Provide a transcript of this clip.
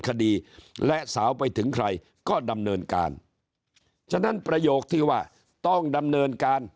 คดีและสาวไปถึงใครก็ดำเนินการฉะนั้นประโยคที่ว่าต้องดำเนินการ